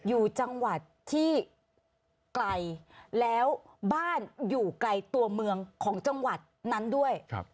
อยู่จังหวัดที่ไกลแล้วบ้านอยู่ไกลตัวเมืองของจังหวัดนั้นด้วย